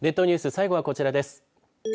最後はこちらです。